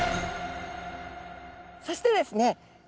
そしてですね